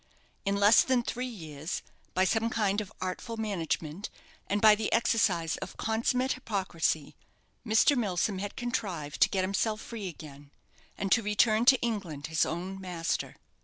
In less than three years, by some kind of artful management, and by the exercise of consummate hypocrisy, Mr. Milsom had contrived to get himself free again, and to return to England his own master.